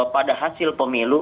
pada hasil pemilu